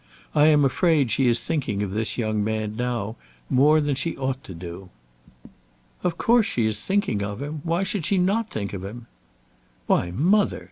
I'm afraid she is thinking of this young man now more than she ought to do." "Of course she is thinking of him. Why should she not think of him?" "Why, mother!